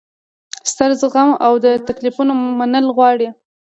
ستر زغم او د تکلیفونو منل غواړي.